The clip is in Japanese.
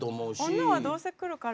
女はどうせ来るから。